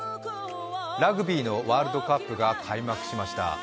ラグビーのワールドカップが開幕しました。